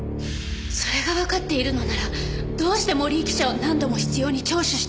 それがわかっているのならどうして森井記者を何度も執拗に聴取したのです？